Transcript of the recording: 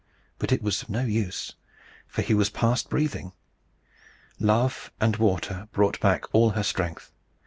But it was of no use, for he was past breathing. Love and water brought back all her strength.